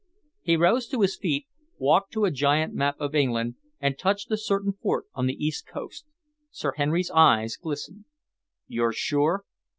He rose to his feet, walked to a giant map of England, and touched a certain port on the east coast. Sir Henry's eyes glistened. "You're sure?"